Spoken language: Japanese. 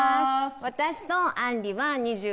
私とあんりは。